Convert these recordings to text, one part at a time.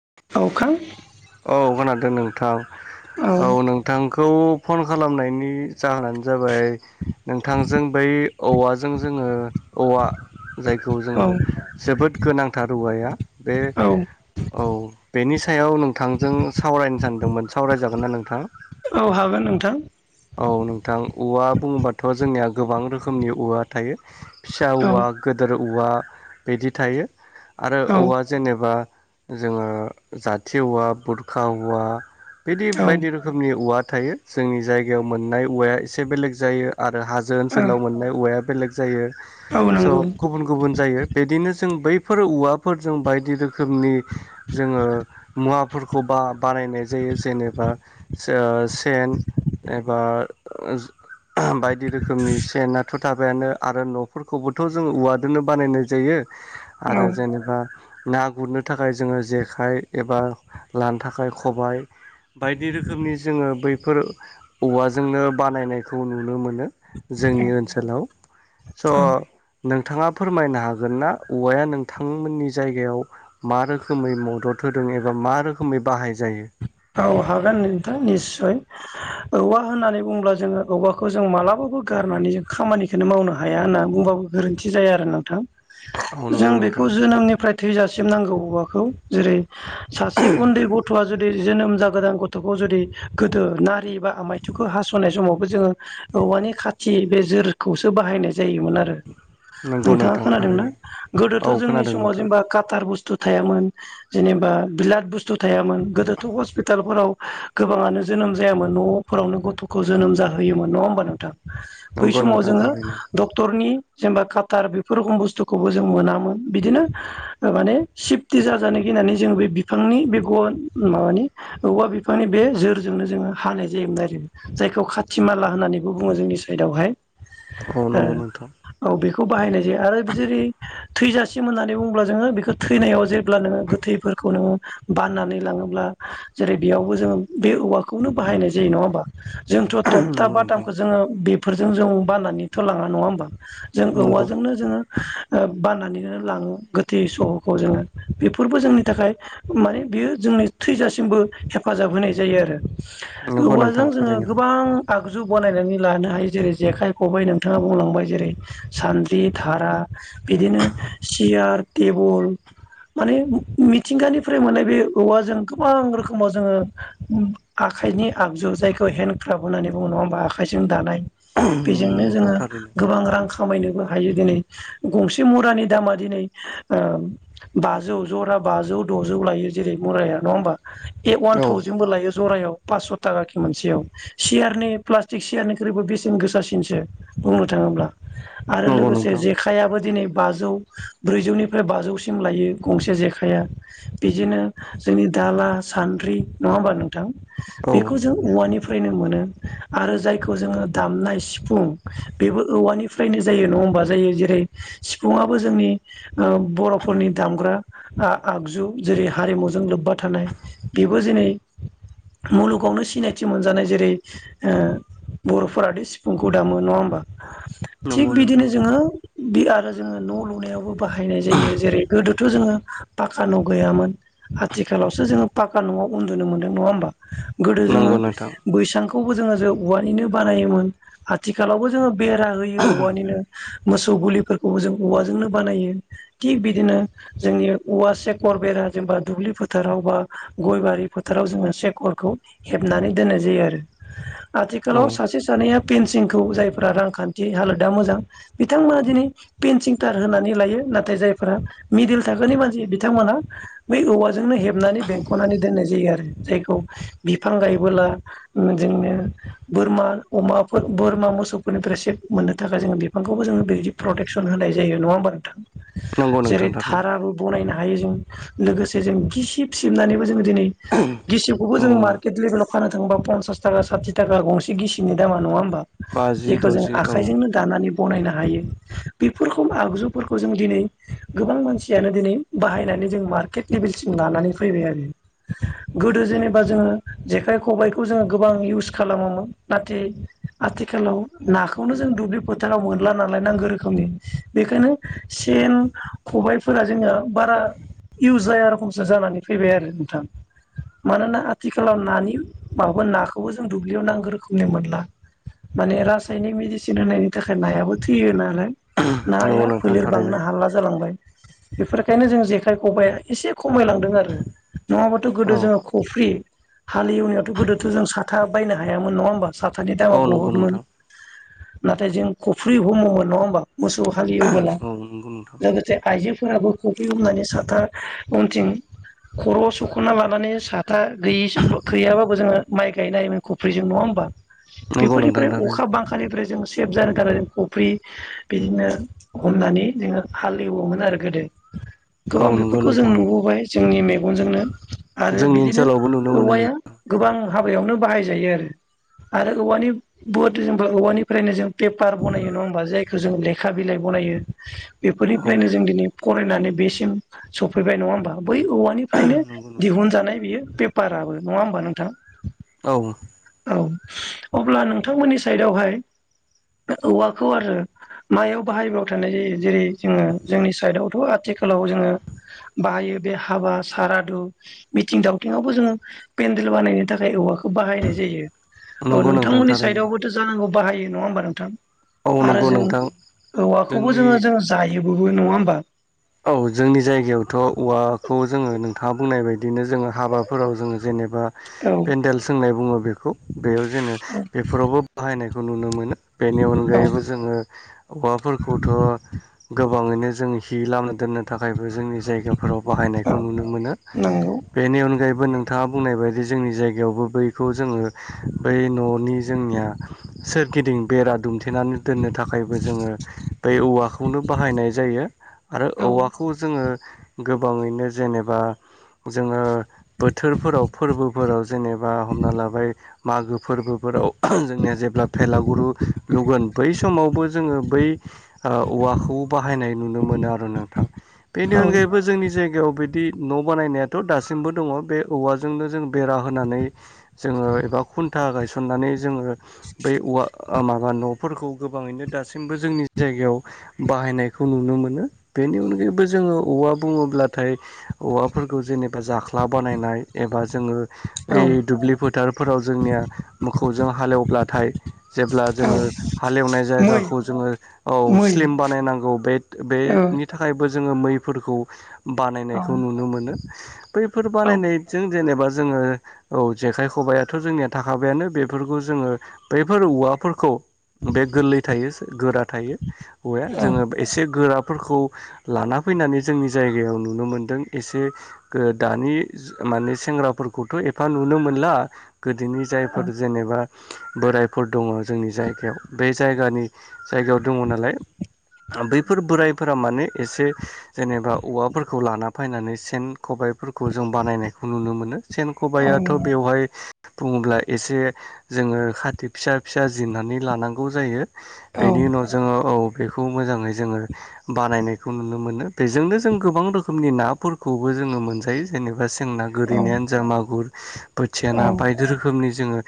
[unintelligible] औ खोनादों नोंथां, औ नोंथांखौ फन खालामनायनि जाहोनानो जाबाय नोंथांजों बै औवाजों जोङो औवा जायखौ औ जोङो जोबोद गोनांथार औवाया बे औ औ। बेनि सायाव नोंथांजों सावरायनो सानदोंमोन सावरायजागोन ना नोंथां? औ हागोन नोंथां। औ नोंथां औवा बुङोबाथ' जोंनिया गोबां रोखोमनि औवा थायो। फिसा औ औवा गोदोर औवा बिदि थायो आरो औ औवा जेनेबा जोङो जाथि उवा, बुरखा उवा बिदि औ बायदि रोखोमनि उवा थायो जोंनि जायगायाव मोननाय उवाया एसे बेलेग जायो आरो हाजो ओनसोलाव मोननाय उवाया बेलेग जायो। औ नंगौ औ स गुबुन गुबुन जायो बेदिनो जों बैफोर औवाफोरजों बायदि रोखोमनि जोङो मुवाफोरखौ बा बा नाय जायो जेनेबा से-ओ सेन, एबा ओज बायदि रोखोमनि सेनाथ' थाबायानो आरो न'फोरखौबो थ' जोङो उवादोनो बानायनाय जायो आरो जेनेबा ना गुरनो थाखाय जोङो जेखाइ एबा लानो थाखाय खबाय बायदि रोखोमनि जोङो बैफोर औवाजोंनो बानायनायखौ नुनो मोन नो जोंनि ओनसोलाव स' नोंथाङा फोरमायनो हागोन ना औवाया नोंथांमोननि जायगायाव मा रोखोमै मदद होदों एबा मा रोखोमै बाहाय जायो? औ हागोन नोंथां निस्सय औवा होननानै बुङोब्ला जोङो औवाखौ जों मालाबा बो गारनानै जों खामानिखोननो मावनो हाया होनना बुंबाबो गोरोन्थि जाया आरो नोंथां। औ जों नंगौ बेखौ नोंथां जोनोमनिफ्राय थैजासिम नांगौ उवाखौ जेरै सासे उन्दै गथ'आ जुदि जोनोम जागोदान गथ'खौ जुदि गोदो नारि बा आमायथुखौ हास'नाय समावबो जोङो औ वानि खाथि बे जोरखौसो बाहायनाय जायोमोन आरो नंगौ नोंथाङा नोंथां खोनादोंना थारैनो औ गोदोथ' जोंनि खोनादों समाव नोंथां जेनेबा काटार बु स्थु थायामोन जेनेबा बिलाद बुस्थु थायामोन गोदो थ' हस्पिटालफोराव गोबाङानो जोनोम जायामोन न'फोरावनो गथ'खौ जोनोम जाहोयोमोन नङा होमबा नोंथां? बै नंगौ समाव नोंथां जोङो थारैनो डक्टरनि जेनेबा काटार बेफोर रखम बुस्थुखौबो जों मोनामोन बिदिनो ओ माने सिफटि जाजानो गि नानै जों बे बिफांनि बे गन माबानि औवा बिफांनि बे जोरजोंनो जोङो हानाय जायोमोन आरो जायखौ खाथि माला होननानै बेखौ बुङो जोंनि साइदआवहाय। अह नंगौ नोंथां। खौ बाहायनाय जायो आरो बि जेरै थैजासिम होननानै बुङोब्ला जोङो बेखौ थैनायाव जे ब्ला नोङो गोथै फोरखौ नोङो बाननानै लाङोब्ला जेरै बेयावबो जोङो बे औवाखौ खौनो बाहाइनाय जायो नंङा होमबा जोंथ थकता नंगौ नोंथां बाथामखौ जोंङो फोरजों जों बनानैथ' लांङा नंङा होमबा जों नंगौ औवाजोंनो जोंङो ओ बाननानैनो लांङो गोथै सहखौ जोंङो बेफोरबो जोंनि थाखाय माने बेयो जोंनि थैजासिमबो हेफाजाब होनाय जायो आरो नंगौ नोंथां औवाजों जोंङो थारैनो गोबां आगजु बानायनानै लानो हायो जेरै जेखाइ खबाइ नोंथांङा बुंलांबाय जेरै सान्द्रि थारा बिदिनो चियार टेबोल माने मिथिंगानिफ्राय मोननाय बे औवा जों गोबां रोखोमाव जोंङो आखाइनि आगजु जायखौ हेन्दड क्राफ होननानै बुंङो नंङा होमबा आखाय जों दानाय नंगौ बेजोंनो नोंथां जोंङो थारैनो गोबां रां खमायनोबो हायो दोनौ गंसे मरानि दामा दिनै बाजौ जरा बाजौ द'जौ लायो जेरै मुराया नंङा होमबा एक ववान औ थावजेन बबो लायो जरायाव। पासस' थाखा खि मोनसेयाव सियारनि प्लास्टिक सियारनिख्रुइबो बेसेन गोसासिनसो बुंनो थांङोब्ला। आरो नंगौ लोगोसे नोंथां जेखाइयाबो दिनै बाजौ ब्रैजौनिफ्राय बाजौसिम लायो गंसे जेखाइया बिदिनो जोंनि दाला सान्द्रि नंङा होमबा नोंथां औ बेखौ जों औवानि फ्रायनो मोनो आरो जायखौ जोंङो दामनाय सिफुं बेबो औवानिफ्रायनो जायो नंङा एखमबा जायो जेरै सिफुंङाबो जोंनि ओ बर'फोरनि दामग्रा आ-आगजु जेरै हारिमु जों लोब्बा थानाय बेबो दिनै मुलुगावनो सिनायथि मोनजानाय जेरै ओ बर'फोरादि सिफुंखौ दामो नंङा होमबा? नंगौ थिग नोंथां बिदिनो जोंङो थारैनो बिराथ जोंङो न' लुनायावबो बाहायनाय जायो जेरै गोदोथ' जोङो पाक्का न' गैयामोन आथिखालावसो जोंङो पाका न'आव उन्दुनो मोनदों नंङा होमबा गोदो जोंङो नंगौ नोंथां बैसां खौबो जोंङो जे औवानिनो बानायोमोन आथिखालावबो जोंङो बेरा होयो औवानिनो। मोसौ गुलिफोरखौबो जों औवाजोंनो बानायो थिग बिदिनो जोंनि औवा सेकर बेराद जेनेबा दुब्लि फोथाराव बा गय बारि फोथाराव जोंङो सेकरखौ हेबनानै दोननाय जायो आरो। [inaudible] औ आथिखालाव सासे सानैया पेन्सिंखौ जायफ्रा रांखान्थि हालोदा मोजां बिथांमोना दिनै पेन्सिं थार होनानै लायो नाथाय जायफोरा मिडिल थाखोनि मानसि बिथांमोना बै औवाजोंनो हेबनानै बेंख'नानै दोननाय जायो आरो जायखौ बिफां गायबोला जोंनो बोरमा अमाफोर बोरमा मोसौफोरनिफ्राय सेक मोननो थाखाय जोंङो बिफांखौबो जोंङो बि जि प्रटेकसन होनाय जायो नंङा होमबा नोंथां नंगौ नोंथां जेरै थारैनो थाराबो बनायनो हायो जों लोगोसे जों गिसिब सिबनानैबो जों दिनै गिसिबखौबो औ जोंङो मार्केट लेभेलाव फानो थांबा पनसास थाखा साथि थाखा गंसे गिसिबनि दामा नंङा होमबा बाजि जेखौ जों द'जि औ आखाइजोंनो दानानै बनायनो हायो बेफोरखौ आगजुफोरखौ जों दिनै गोबां मानसियानो दिनै बाहायनानै बिदिनो जों मा केपबिलसिम लानानै फैबाय आरो गोदो जेनेबा जोंङो जेखाइ खबायखौ जों गोबां इउज खालामोन नाथाय आथिखालाव नाखौनो जों दुब्लि फोथाराव मोनला नालाय न नांगौ रोखोमनि बेखायनो सेन खबायफोरा जोंनिया बारा इउस जाया रखमसो जानानै फैबाय आरो नोंथां मानोना आथिखालाव नानि माबा नाखौबो जों दुब्लियाव नांगौ रोखोमनि मोनला माने रासायनिक मेडिसिन होनायनि थाखाय नायाबो थैयो नालाय नंगौ नाया नोंथां फोलेर थारैनो बांनो हाला जालांबाय बेफोरखायनो जों जेखाइ खबाइआ एसे खमायलांदों आरो नंङाबाथ' गोदो औ जोंङो खफ्रि हालेवनायावथ' गोदोथ' जों साथा बायनो हायामोन नंङा होमबा साथानि दामा औ नंगौ बुहुदमोन नोंथां नाथाय जों खफ्रि हमोमोन नंङा होमबा मोसौ हालिवबोला औ नंगौ नोंथां लोगोसे आइजो फोराबो कफ्रि हमनानै साथा उनथिं खर'आव सुख'ना लानानै साथा गैयि गैयाबाबो जोङो माइ गायनो हायोमोन खफ्रिजों नङा होमबा? नंगौ नोंथां बेफोरनिफ्राय थारैनो अखा बांखानिफ्राय जों सेभ जानो थाखाय जों कफ्रि बिदिनो हमनानै जोङो हाल एवोमोन आरो गोदो। औ गोबां नंगौ बेफोरखौ जों नोंथां नुबोबाय जोंनि मेगनजोंनो आरो जोंनि बिदिनो ओनसोलावबो नुनो मोनो नों औवाया गोबां हाबायावनो बाहायजायो आरो आरो औवानि बद जों औवानिफ्रायनो जों पेपार बनायो नङा होमबा जायखौ जों लेखा बिलाइ बनायो औ बेफोरनिफ्रायनो जों दिनै फरायनानै बेसिम सफैबाय नङा होमबा बै औवानिफ्रायनो नंगौ नोंथां दिहुनजानाय बियो बे पाराबो नङा होमबा नोंथां? औ। औ अब्ला नोंथांमोननि सायदाव हाय औवाखौ आरो मायाव बाहायबाव थानाय जायो जेरै जोङो जोंनि सायदावथ' आथिखालाव जोङो बायो बे हाबा सारादु मिथिं दावथिङावबो जोङो पेन्देल बानायनो थाखाय औवाखौ खौ बाहायनाय जायो औ नंगौ नोंथां नोंथांमोननि थारैनो सायदआवबोथ' जानांगौ बाहायो नङा होमबा नोंथां? औ आरो नंगौ जों नोंथां औवाखौबो जोंनि जोङो जोङो जायोबो नङा होमबा? औ जोंनि जायगायावथ' औवाखौ जोङो नोंथाङा बुंनाय बायदि बिदिनो जोङो हाबाफोराव जोङो जेनेबा औ पेन्देल सोंनाय बुङो बेखौ बेयाव जेने औ बेफोरावबो बाहायनायखौ नुनो मोनो। बेनि अनगायैबो जोङो औवाफोरखौथ' गोबाङैनो जों हि लामो। दोननो थाखायबो जोंनि जायगाफोराव बाहायनायखौ नुनो मोनो नंगौ बेनि अनगायैबो बो नोंथाङा बुंनाय बायदि जोंनि जायगायावबो बैखौ जोङो बै न'नि जोंनिया सोरगिदिं बेरा दुम दि थेनानै दोननो थाखायबो जोङो बे औवाखौनो बाहायनाय जायो आरो औ औवाखौ जोङो गोबाङैनो जेनेबा जोङो बोथोरफोराव फोरबोफोराव जेनेबा हमना लाबाय मागो फोरबो फोराव जोंनिया जेब्ला भेला गुरु लुगोन बै समावबो जोङो बै ओह औवा वाखौ बाहायनाय नुनो मोनो आरो नोंथां बेनि औ अनगायैबो जोंनि जायगायाव बिदि न' बानायनायाथ' दासिमबो दङ बे औवाजोंनो जों बेरा होनानै जोङो एबा खुनन्था गायस सन्नानै जोङो बै औवा माबा न'फोरखौ गोबाङैनो दासिमबो जोंनि जायगायाव बाहायनायखौ नुनो मोनो। बेनि अनगायैबो जोङो औवा बुङोब्लाथाय औवाफोरखौ जेनेबा जाख्ला बानायनाय एबा ज जोङो औ ओइ दुब्लि फोथारफोराव जोंनिया मोखौजों हालेवब्लाथाय जेब्ला औ जोङो हालेवनाय मै जायगाखौ जोङो औ मै स्लिम बानायनांगौ बे बे ओ बैयबो जोङो मैफोरखौ औ बानायनायखौ नुनो मोनो। बैफोर औ बानायनायजों जेनेबा ज जोङो औ जेखाइ खबाय आथ' जोंनिया थाखाबायानो बेफोरखौ जोङो बैफोर औवाफोरखौ बे गोरलै थायो गोरा थायो औवाया औ जोङो एसे गोरा फोरखौ लाना फैनानै जोंनि जायगायाव नुनो मोनदों एसे दानि माने सेंग्राफोरखौथ' एफा नुनो मोनला गोदोनि औ जायफोर जेनेबा बोरायफोर दङ जोंनि जायगायाव बे जायगानि जायगायाव दङ नालाय बैफोर बोराइ माने एसे जेनेबा औवाफोरखौ लाना फैनानै सेन खबाइफोरखौ जों बानायनायखौ नु नुनो मोनो सेन खबाइ औ आथ' बेवहाय बुङोब्ला एसे जोङो खाथि फिसा फिसा जिरनानै लानांगौ जायो। औ बेनि उनाव जोङो औ बेखौ मोजाङै जोङो बानायनायखौ नुनो मोनो बेजोंनो जों गोबां रोखोमनि नाफोरखौबो जोङो मोनजायो जेनेबा जोंना गोरिनायानो जा मागुर बोथिया ना औ बायदि रोखोमनि जोङो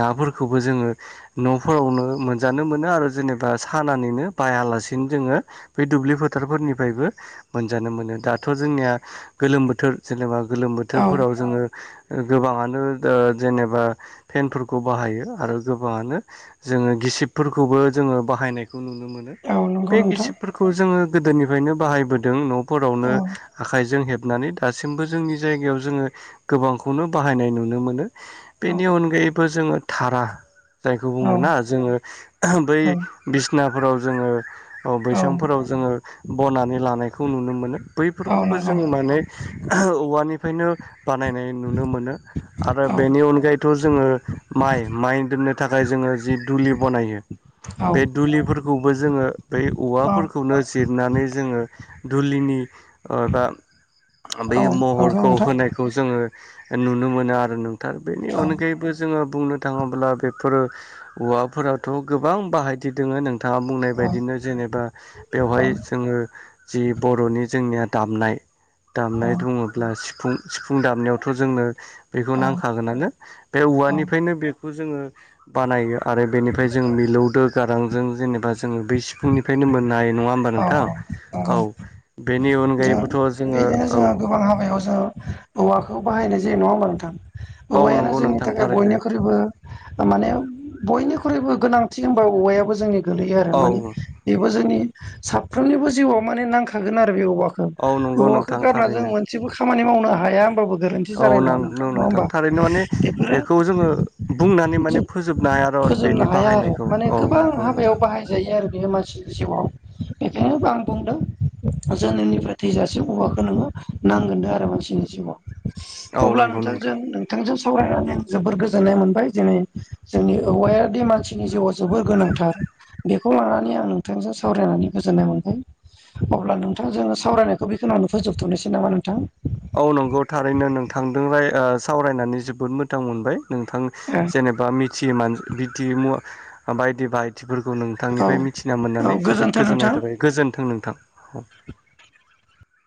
नाफोरखौबो जोङो न'फोरावनो मोनजानो मोनो आरो जेनेबा सानानैनो। बायालासिनो जोङो बे दुब्लि फोथारफोरनिफ्रायबो मोनजानो मोनो दाथ' जोंनिया गोलोम बोथोर जेनेबा गोलोम औ बोथोरफोराव जोङो गोबाङानो जेनेबा फेनफोरखौ बाहायो आरो गोबाङानो जोङो गि सिबफोरखौबो जोङो बाहायनाय खौ नुनो मोनो औ बे नंगौ नोंथां गिसिबफोरखौ जोङो गोदोनिफ्रायनो बाहायबोदों न' फोरावनो औ आखाइजों हेब नानै दासिमबो जोंनि जायगायाव जोङो गोबांखौनो बाहायनाय नुनो मोनो। औ बेनि अनगायैबो जोङो थारा जायखौ औ बुङोना जोङो ओहो बै औ बिसनाफोराव जोङो औ बैसां जोङो बनानै लानायखौ नुनो मोनो। औ बैफोरखौबो नंगौ जों माने ओहो औवानिफ्रायनो बानायनाय नुनो मोनो आरो औ बेनि अनगायैथ' जोङो माइ माइ दोन्नो थाखाय जोङो जि दुलि बनायो। औ बे दुलिफोरखौबो जोङो बै औवा औ नो जिरनानै जोङो दुलिनि ओ बा औ बै नंगौ महरखौ नोंथां होनायखौ जोङो नुनो मोनो आरो नोंथां। बेनि औ अनगायैबो जोङो बुंनो थाङोब्ला बेफोर औवाफोराथ' गोबां बाहायदि दोङो नोंथाङा बुंनाय औ बायदिनो जेनेबा औ बेवहाय जोङो जि बर'नि जोंनिया दामनाय औ दामनाय दङब्ला सिफुं सिफुं दामनायावथ' जोंनो बेखौ नांखागोनानो। बे औ औवानिफ्रायनो बे खौ जोङो बानायो आरो बेनिफ्राय जों मिलौदो गारांजों जेनेबा जोङो बै सिफुंनि फायनो मोननाय। नङा होमबा औ नोंथां? नंगौ औ बेनि अनगायैबोथ' जोङो औ ओ औवाखौ बाहायनाय जायो नङा होमबा नोंथां? औ औवायानो नंगौ जोंनि नोंथां थाखाय थारैनो बयनिख्रुइबो माने बयनिख्रुइबो गोनांथि होनबा औवायाबो जोंनि गोलैयो आरो। औ माने बेबो जोंनि साफ्रोमनिबो जिउआव माने नांखागोन आर रो बे औवाखो।‌ औ नंगौ औवाखो नोंथां गारना जों थारैनो मोनसेबो खामानि मावनो हाया होमबाबो गोरोन्थि औ जानाय नङा [unintelligible] नङा नोंथां होमबा थारैनो माने बेखौ बेफोरो जोङो बुंनानै माने फोजोबनो हाया फोजोबनो बेनि हाया आरो बाहायनायखौ माने औ गोबां नंगौ हाबायाव नोंथां बाहायजायो आरो बेयो मानसिनि जिउआव [unintelligible] जोनोमनिफ्राय थैजासिम औवाखौ नोङो नांगोन दो आरो मानसिनि जिउआव औ अब्ला नंगौ नोंथां नोंथांजों नोंथांजों सावरायनानै आं जोबोर गोजोननाय मोनबाय दिनै जोंनि औवायादि मानसिनि जिउआव जोबोर गोनांथार बेखौ लानानै आं नोंथांजों सावरायनानै गोजोननाय मोनबाय अब्ला नोंथां जोङो सावरायनायखौ बेखिनियावनो फोजोबथ'नोसै नामा नोंथां औ नंगौ थारैनो नोंथांदो सावरायनानै जोबोद मोजां मोनबाय नोंथां औ जेनेबा मिथियै मा मिथियै मुवा बायदि बायदिफोर खौ नोंथांनिफ्राय मिथिना औ मोननानै जोबोद गोजोन्थों गोजोननाय नोंथां थाबाय गोजोन्थों नोंथां [inaudible]